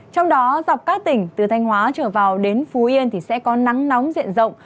trong đó dọc các tỉnh từ thanh hóa trở vào đến phú yên thì sẽ có nắng nóng diện rộng